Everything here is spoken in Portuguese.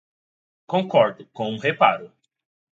Concordo, com um reparo.